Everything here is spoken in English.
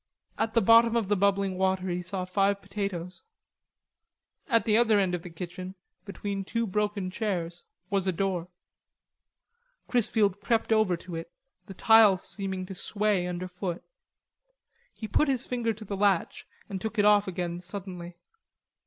At the bottom of the bubbling water he saw five potatoes. At the other end of the kitchen, beyond two broken chairs, was a door. Chrisfield crept over to it, the tiles seeming to sway under foot. He put his finger to the latch and took it off again suddenly.